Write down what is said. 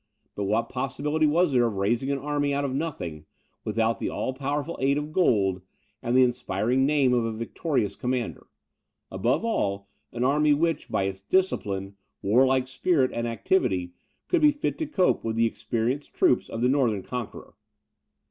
But what possibility was there of raising an army out of nothing, without the all powerful aid of gold, and the inspiriting name of a victorious commander; above all, an army which, by its discipline, warlike spirit, and activity, should be fit to cope with the experienced troops of the northern conqueror?